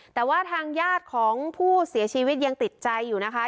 แต่ว่าทางญาติของผู้เสียชีวิตยังติดใจอยู่นะคะ